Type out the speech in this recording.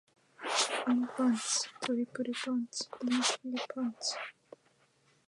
アンパンチ。トリプルパンチ。モンキー・パンチ。